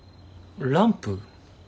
ランプ？